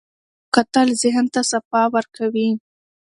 کتل ذهن ته صفا ورکوي